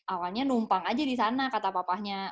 awalnya numpang aja di sana kata papanya